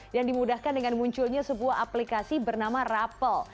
yang dimudahkan dengan munculnya sebuah aplikasi bernama rapel